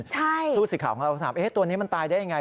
ผู้สื่อข่าวของเราถามตัวนี้มันตายได้ยังไง